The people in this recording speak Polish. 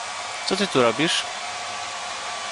"Co ty tu robisz?"